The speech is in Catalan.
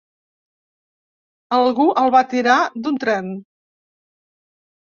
Algú el va tirar d'un tren.